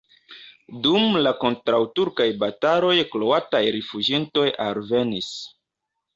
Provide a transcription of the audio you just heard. Dum la kontraŭturkaj bataloj kroataj rifuĝintoj alvenis.